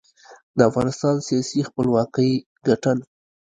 د افغانستان سیاسي خپلواکۍ ګټل.